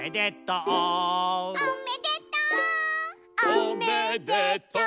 「おめでとう！」